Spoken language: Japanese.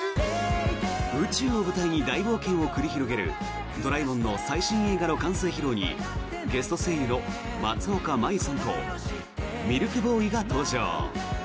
宇宙を舞台に大冒険を繰り広げる「ドラえもん」の最新映画の完成披露にゲスト声優の松岡茉優さんとミルクボーイが登場。